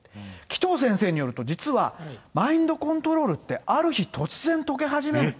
紀藤先生によると、実はマインドコントロールってある日突然解け始める。